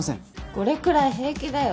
これくらい平気だよ